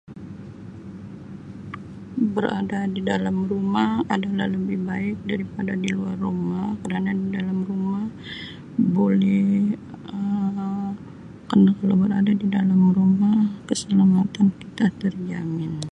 Berada di dalam rumah adalah lebih baik daripada di luar rumah kerana di dalam rumah boleh Um kalau berada di dalam rumah keselamatan kita terjamin.